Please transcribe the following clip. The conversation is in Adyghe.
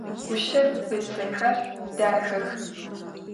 Guşef ıtsexer daxex.